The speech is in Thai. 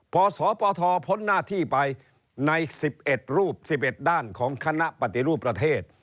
พอสปทพ้นหน้าที่ไปใน๑๑รูป๑๑ด้านของคณะปฏิรูปประเทศ